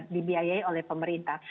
dibayai oleh pemerintah